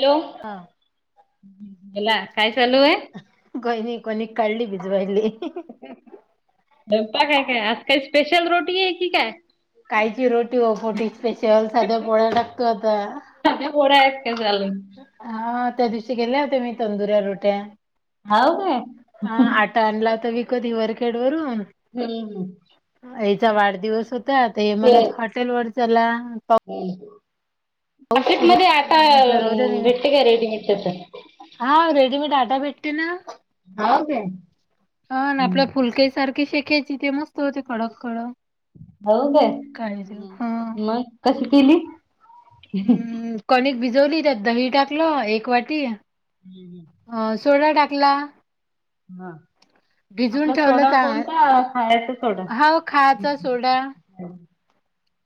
Hello हा बला काय चालू आहे. कोनी कोणी कळली भिजवायली. गप्पा काय काय आज काही स्पेशल रोटी आहे की काय कायची रोटी व पोटी स्पेशल साध्या पोळ्याला टाकतो आता [unintelligible] हा त्या दिवशी गेले होते मी तंदुऱ्या रोट्या हाऊ काय ते आणला होतं विकत हिवरखेडवरून हम्म याचा वाढदिवस होता त हे म्हणत हॉटेल वर चला पाऊस सुरू मार्केटमध्ये आता म्हटलं राहू दे मी भेटते काय रेडीमेट तस हा रेडीमेड आटा भेटतेे ना हावं काय हा ना आपल्या फुलके सारखी शेकायची ते मस्त होते खडक कड हो काय मग कशी केली? हम्म कणिक भिजवली त्यात दही टाकलं एक वाटी हूं हूं अ सोडा टाकला. हा भिजून आपला ठेवलं सोडा चांग कोणता खायचा सोडा हाव खायचा सोडा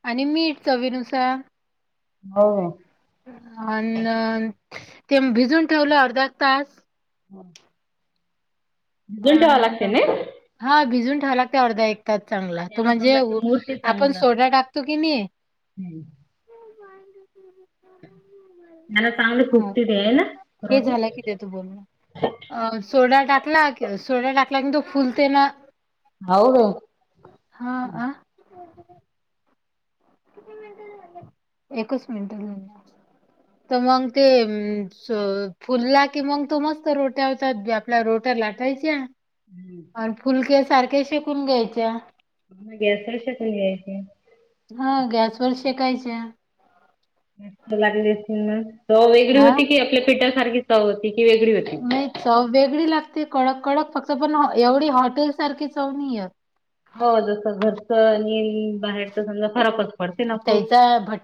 आणि मीठ चवीनुसार हो अनं ते भिजून ठेवलं अर्धा एक तास हं लागते अनं ना हा भिजून ठेवायला लागतय अर्धा एक चांगला तो त्यानं म्हणजे समजा ते मुरते आपण सोडा टाकतो की नी हम्म आता चांगली फुगते ती आहे ना रोटी तू बोल ना अ सोडा टाकला कि सोडा टाकला की तो फुलते ना होऊ हां, काय आ? एकच मिनिट झालाय अजून [unintelligible] त मंग ते फुलला कि मंग तो मस्त रोट्या होतात आपल्या रोट्या लाटायच्या आणि फुलक्या सारख्या शेकून घ्यायच्या. म गॅस वर शेकून घ्यायच्या. हा गॅसवर शेकायच्या. मस्त लागली असतील ना हो वेगळी हा होती कि आपल्या पीठ सारखी चव होती ती वेगळी होती. नाही चव वेगळी लागते कडक कडक फक्त पण एवढी हॉटेल सारखी चव नाययत. हो जस घरचं आणि बाहेरच समजा फरकच पडते ना खूप.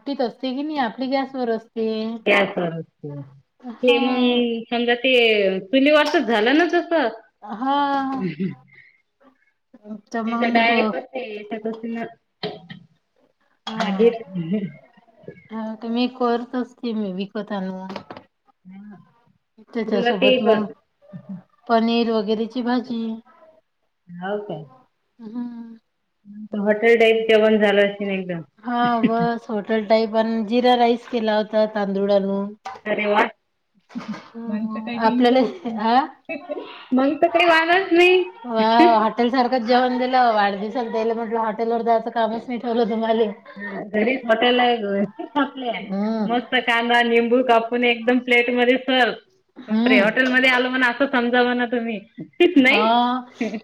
लीत असते की नय आपली गॅस वर असते. [unintelligible] हा ते चुलीवार तर झालं ना तस. रिकामा ऑडिओ ते तर डायरेक्ट हा [unintelligible] हा ते मी करतच त मी विकत आण म. रिकामा ऑडिओ त्याच्यासोबत मग पनीर वगैरेची भाजी. हा का. हा. हॉटेल टाईप ज पण झालं असे ना एकदम. हा बस हॉटेल टाईप आणि जिरा राईस केला होता तांदुळ आणून. अरे वा म्हणचं हम्म. काही आपल्याला टेन्शनच नाही. हा मग तर काही वादच नाहीं. व हॉटेल सारखं. जेवण दिलं वाढदिवसाला त्याले म्हणलं हॉटेलवर जायचं कामच नाही ठेवलं तुम्हाले. घरी हॉटेल आहे काय? ले हम्म मस्त कांदा निंबू कापून एकदम प्लेट मध्ये सर्व बापरे.. हम्म हॉटेलमध्येध्ये आलो म्हण असं समजाव ना तुम्ही.. हा नाही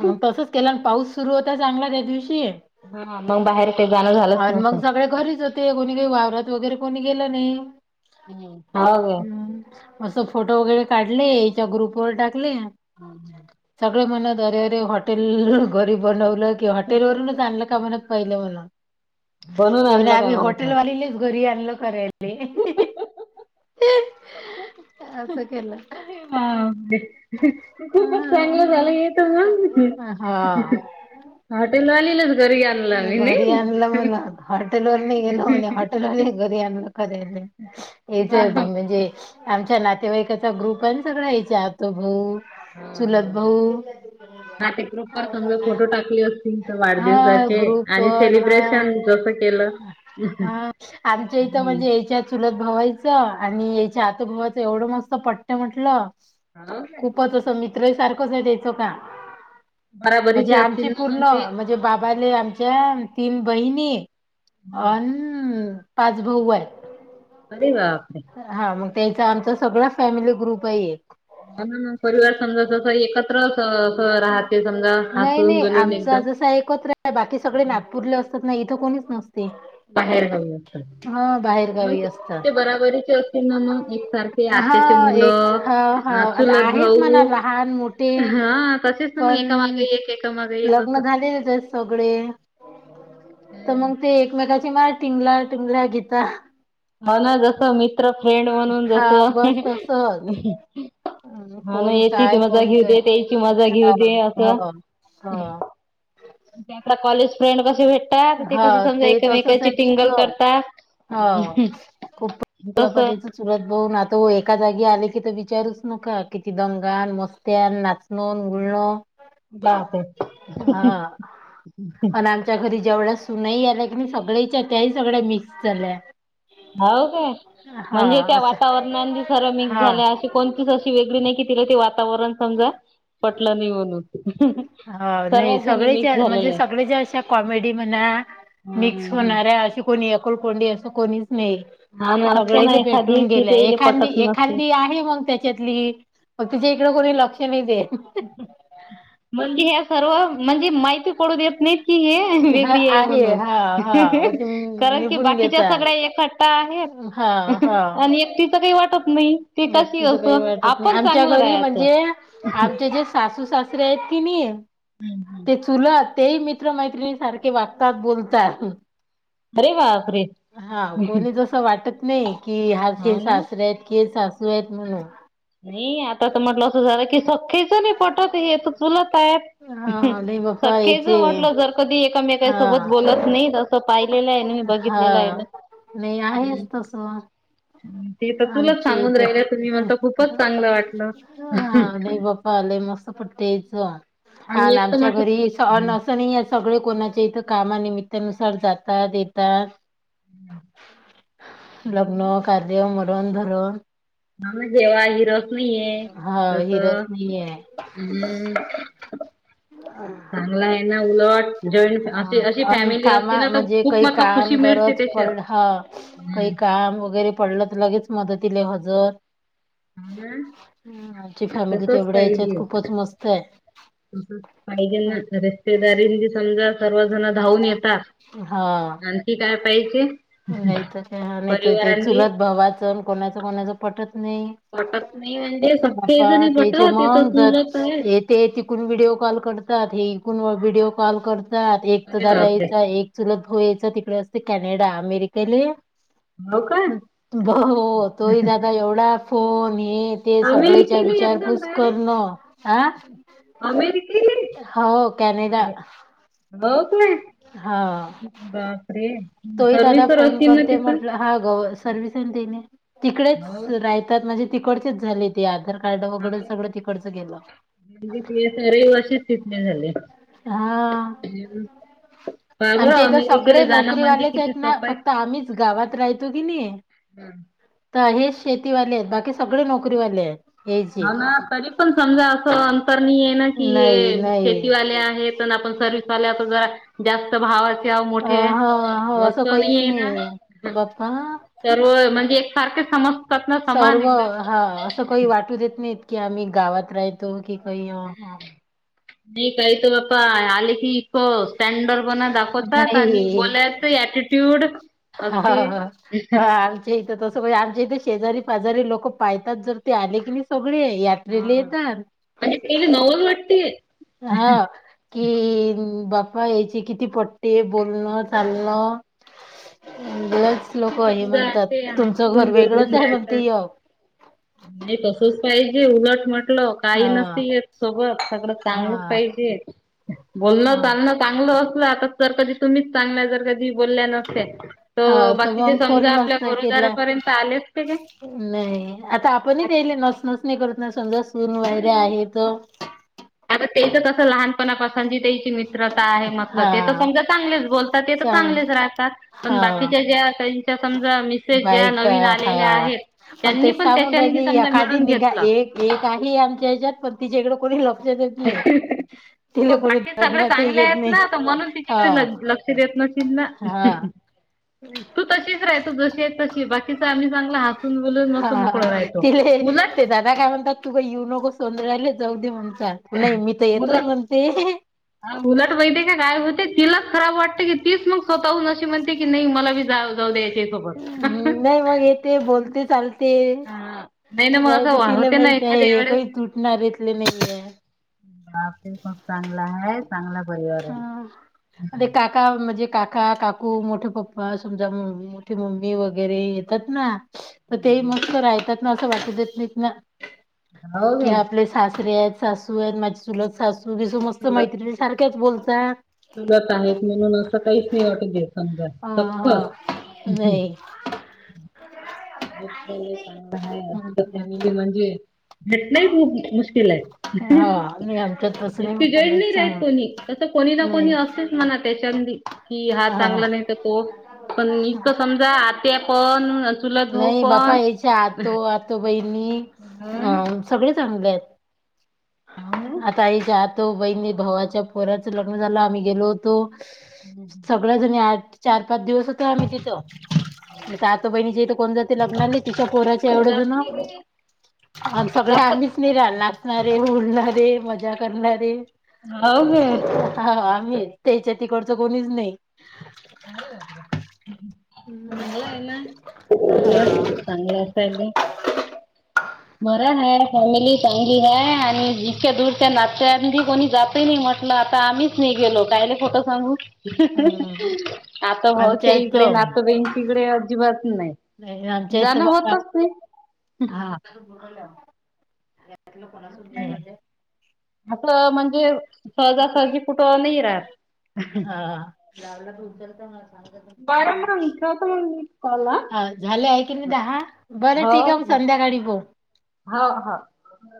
मग तसच केलं पाऊस सुरू होता चांगला त्या दिवशी... हा मग बाहेर काही जाणं झालंच आणि मग नसत. सगळे घरीच. ते कोणी काही वावरात वगैरे कोणी गेलं नाही. [unintelligible] हम्म. असं फोटो वगैरे काढले याच्या ग्रुप वर टाकले. हम् हम्. सगळे म्हणत अरेरे हॉटेल घरी बनवलं किंवा हॉटेल वरूनच आणलं. [unintelligible] बनून तें बोलें आणलं काय आम्ही म्हणत हा हॉटेल वालीलाच घरी आणले. असं केलं. खूपच हा. चांगलं झालं. तर मग हा. हॉटेलवालीलाच घरी आणलं आम्ही घरी नाही आणलं म्हणा हॉटेल वर नाही गेल म्हणे हॉटेल घरी आण क हेथ हा म्हणजे [unintelligible] आमच्या नातेवाईकाचा ग्रुप आहे ना सगळ या्याच्या आतो भाऊ चुलत हा भाऊ. हा ते ग्रुप्पा समजा फोटो टाकले असतील तर हा वाढदिवसाचे ग्रुप आणि वन हा सेलिब्रेशन जस कीं केल. हा आमच्या इथं म्हणजे याच्यात चुलत भवायचं आणि याच्या आतोभवाचं एवढं मस्त पटते म्हटलं.. [unintelligible] मित्र सारखच द्यायचो का म्हणजे बराबरीचे असतील आमची ना पूर्ण.. मग ते म्हणे बाबाले आमच्या तीन बहिणी हा. अन... पाच भाऊ आहे. अरे वा! हा मग त्याचा आमचा सगळा फॅमिली ग्रुप आहे एक. ना म परिवार समजा जस एकत्र राहते समजा नाही हसून नाही बोलून आमचा एकदम. जसा एकत्र बाकी सगळे नागपूरले असतात ना इथं कोणीच नसते. बाहेर जाऊयात. बाहेर गावी असत. ते बराबरीचे असतील ना मग एकसारखे आत्याचे हा एक मुलं.. हा हा आता चुलत आहेत भाऊ म्हणा लहान मोठे हा कसे? पण लग्न झालेले आहेत सगळे. तर असं मग ते एकमेकाची मार टिंगला टिंगल्या घेता. मन जस मित्र फ्रेंड म्हणून हा जस बस [inaudible] तसच. अं, हो ना कोण याची काय मजा कोण घेऊ काय दे, त्याची मजा हा घेऊ दे असं. हा. ह आता कॉलेज फ्रेंड कसे भेट त्या हा कशी संग ते तसच एकमेकाची आहे टिंगल तिचं करतात हो. [inaudible] तस. सुरत बून आता एका जागी आले की तुम्ही विचारूच नका किती दंगा आणि मस्त्या आणि नाच. [unintelligible] गाव ते [inaudible] त्याच्या घरी जेवढ्या सुनाही आला की नाही सगळेच्या त्याही सगळ्या मिक्स झाल्या. हो काय? हा म्हणजे त्या असं वातावरणान खर मिक्स हा झाले अशे पंचवीस वर्ष वेगळी नाही कि तिला ते वातावरण समजा पटलं नाही म्हणून. हा नाही सर्वच जणी सगळे ज मिक्स म्हणजे झालेले सगळे ज्या अशा कॉमेडी म्हणा हम्म मिक्स हम्म. होणार आहे अशी कोणी एकोल कोंडी असं कोणीच नाही. हा ना असते ना सगळेले एखादी भेटून कि गेल्या ते इले एखादी पटत नसते एखादी आहे मग त्याच्यातली. मग तिच्या इकडं कोणी लक्ष नाही देत. म्हणजे ह सर्व म्हणजे माहिती कळू देत नाही की हे हा वेगळी हाय आहे. म्हणून हां, हां. मग ते कारण की निभून बाकीच्या घेता. सगळ्या एखा का आहेत हां, आणि एकटीच काही वाटत नाही. ती कशी व्यक्तीच काही असं वाटत नाही आपण आमच्या चांगलं घरी राहायचं. म्हणजे आमच्या इथे सासू सासरे आहेत कणी तेचे तुला तेही मित्र मैत्रिणी सारखे वागतात, बोलतात. अरे बापरे हा कोणी जस वाटत नाही कि हा ते हो ना. सासरे आहेत. ते सासू आहेत म्हणून. नाही आता तर म्हटलं असं झालं की सखीच नाही पटत हे तर चुलत आहेत. हां, नाही बाप्पा सखेच याचे म्हटलं जर कधी एकामेकासोबत हां, बोलत नाही असं पाहिलेलं आहे मी बघितलेलं आहे ना. हां. नाही आहेच तस. ते तर तुलाच सांगून राहिले तुम्ही म्हणता इथं. खूपच चांगलं वाटलं. आले मस्त पट्टीच आणि एक तर आमच्या म्हटलं घरी सन अस नाही सगळे कोणाच्या इथं कामानिमित्तानुसार जातात, येतात. लग्न, कार्य, मरण, धरण मला जेवाय हिरग पोळी आहे हा जस हिरच नाहीये. हम्म. हा. चांगला आहे ना उलट जॉईंट अस अशी अन फॅमिली असते कामा ना तर म्हणजे खूप काही मका काम खुशी मिळते गरज त्याच्यात. पड हा. काही हम्म काम वगैरे पडलं तर लगेच मदतीले हजर. हा ना ह आमची फॅमिली तसच तेवढ्या याच्यात खूपच मस्त आहे. तस पाहिजे ना रिस्तेदारींनी समजा सर्वजण धावून येतात. हा. आणखी काय पाहिजे? नाही तर त्या नाहीत ते परिवारांनी चुलत भावाच कोणाच कोणाचं पटत नाही. पटत नाही म्हणजे [inaudible] सख्खे अ्पा जणी तेचे पटत ते तर मंग ग चुलत आहे ते ते तिकून व्हिडिओ कॉल करतात. हे इकून व्हिडिओ कॉल करतात. एक तर अरे दादा बापरे याचा एक चुलत भाऊ याचा तिकडे असते कॅनेडा, अमेरिकेले. हो का भाऊ तोही दादा एवढा फोन येत ते आम्ही सगळेच्या केली एकदम विचारपूस डायरेक्ट करणं हा. अमेरिकेले? [inaudible] हो कॅनेडा. बघ [unintelligible] हा. बापरे. तोही दादा सर्विसवर फोन असतील ना करते तिथं? म्हटलं हा ग सर्व्हसन देणे तिकडेच हो. राहतात म्हणजे तिकडचेच झाले ते आधार कार्ड हा, वगैरे सगळं तिकडचं गेलं. म्हणजे ते सर वर्षच तिथले झाले. हा. काय बरं आमच्या इथं अमेरिकेला सगळे जाणं म्हणजे नोकरीवालेच किती आहेत ना सोपं आहे. फक्त आम्हीचं गावात राहतो कि नाही. हम्म. तर हेच शेतीवाले आहेत बाकी सगळे नोकरीवाले आहेत. यायचे ह ना तरी पण समजा असं अंतर नाही आहे ना की हे नाही नाही शेतीवाले आहेत अन् आपण सर्वीसवाले आता जास्त भावच अ हा हो असं काहीच ना. नाही बाप्पा. सर्व म्हणजे एक सारखे समजतात ना समान सर्व हा असं काही एकदम. वाटू देत नाहीत. की आम्ही गावात राह तो की काही. अ ह. नाही काही त बापा आले की इकं स्टँडर्ड बन दा खवतात आणि नाही बोलाच अटिट्यूड असतील. इथ तसं आमच्या इथे शेजारी पाजारी लोक पाहतात जर ते आले की नाही सगळे या हा रिलीये तर, म्हणजे ते नवल वाटते हा. कि बापा यायचे किती पट्टि बोलणं चालणं. लयच [inaudible] किती लोक हे समजा म्हणतात असे तुमचं हसून घर वेगळंच बोलवून आहे राहायचा. म्हणते य नाही तसच पाहिजे उलट म्हटलं. काही हा नसते येत सोबत सगळं चांगलं हा पाहिजे बोलणं हा चालणं चांगलं असलं आता जर कधी तुम्हीच चांगल्या जर कधी बोलल्या नसत्या हा तर बाकीचे मग फोन समजा आपल्या नसता केला. घरोदारापर्यंत आले असते काय नाही आता आपणच याले नस नसणी करत ना समजा सून वगैरे आहे त. तेचं कस लहान पासंजी तेची मित्रता आहे म्हटलं हा ते तर समजा चांगलेच बोलतात ते तर सांग चांगलेच राहतात. पण हा बाकीच्या ज्या त्यांच्या समजा मिसेज ज्या नवीन आलेल्या आहेत मग त्यांनी ते पण सांगून त्याच्यानी राहिले समजा एखादी मिळून निघा घेतलं. एक एक आहे आमच्या ह्याच्यात पण तिच्याकडे कोणी लक्ष देत. [inaudible] नाही तिला हो कोणी बाकी सगळे धरण्यातही चांगले घेत आहेत. नाही ना तर म्हणून हा तिच्याकडे लक्ष देत नशील ना. हम्. तू तशीच राहतो जशी आहे तशी बाकीच आम्ही चांगलं हसून बलून मस्त मोकळ राहतो. उलट नाही काय म्हणतात तु गं युनोगो सोंद्र्यायला जाऊ दे म्हणताल नाही मी तर येतोच म्हणते. ह उलट वहिते काय होते तिलाच खराब वाटते की तीच मग स्वतःह न म्हणते की नाही मला जा जाऊ द्या याच्या सोबत. नाही मग येते बोलते चालते नाही ना मग असं वाढवते ना एखाद्या वळे नारीतले नाहीये. बाप रे खूप चांगला आहे. चांगला परिवार. आहे. हा अ काका म्हणजे काका काकू मोठे पप्पा समजा म्हणजे. मोठे मम्मी वगैरे येतात ना. तर ते मस्त राहतात. ना असं वाट देत नाहीत ना हो की काय आपले. सासरे आहेत सासू आहेत माझी चलत सासू बी स मस्त मैत्री सारख्याच बोलता. परत आहेत म्हणून असं काहीच नाही. वाटत घ समजा हा हा सखस. [unintelligible] चांग हं, अस तर हं, फॅमिली हं. म्हणजे भेटणंही खूप मुश्किल आहे हा नाही आमच्यात तसं नाही इतकी बाप्पा गोड लयच नाही राहत चांगलं कोणी तसं कोणी ना नाही कोणी असतेच म्हणा त्याच्यातली. की हा चांगला नाही तर तो पण इतकं समजा आत्या पण चुलत. भाऊ नाही बापा पण या्यच्या आतो आतो बहिणी हा अ सगळे चांगले आहेत. हो ना. आता आईच्या आतो बहिणी भावाच्या पोराच लग्न झालं आम्ही गेलो होतो. सगळ जणी आठ चार पाच दिवसच आम्ही तिथं म्हणे आत बहिणी च्या इथं कोण जात. लग्नाली तिच्या पोराचे कोणी एवढ्या जात नाही गे जण सगळे जात आम्हीच नाही राहणार. हसणारे बोलणारे मजा करणारे. हो गे हा आम्ही तेच्या तिकडचं कोणीच नाही. आरे वा. नाही चांगलं आहे ना हा चांगलं असा एकदम. बर हाय मी फॅमिली चांगली हाय आणि जितक्या दूरच्या नात्यातली कोणी जात. नाही म्हटलं आता आम्हीच नाही गेलो कायले खोटं सांगू. हम्म नाता भाऊच्या आमच्या इथ इकडे नात बहीणची इकडे अजिबात नाही. आमच्या इथ जाण बघा होतच नाही. हा! अस म्हणजे सहजासहजी कुठ नाही राहत. घावला उचलता मग. बरं मग ठेवतो मग मी कॉल हा झाले हाय की नाही दहा. बरं ठीक आहे संध्याकाळी बोल. हा हो!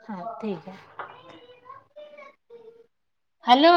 हा ठीक हाय. हॅलो!